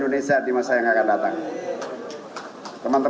kemana incompeten yang menduduki yang menjadi